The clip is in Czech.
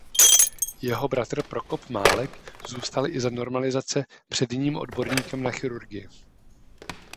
Jeho bratr Prokop Málek zůstal i za normalizace předním odborníkem na chirurgii.